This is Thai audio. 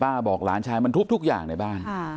บอกหลานชายมันทุบทุกอย่างในบ้าน